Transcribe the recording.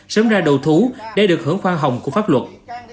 sớm ra đồ thú để được hưởng khoa hồng của pháp luật